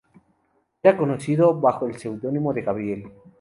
Era conocido, bajo el seudónimo de "Gabriel".